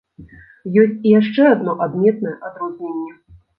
Ёсць і яшчэ адно адметнае адрозненне.